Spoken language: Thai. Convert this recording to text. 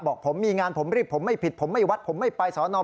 บอกผมมีงานผมรีบผมไม่ผิดผมไม่วัดผมไม่ไปสอนอ